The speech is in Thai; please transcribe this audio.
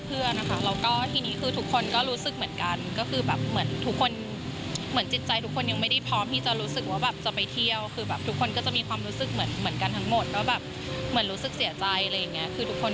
สิ่งที่คิดว่าเราก็ไม่รู้ข้ายุ่ยแหลงของจริงรอบว่าน้ำ